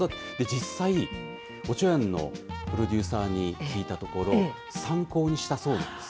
実際、おちょやんのプロデューサーに聞いたところ参考にしたそうなんです。